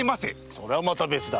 それはまた別だ。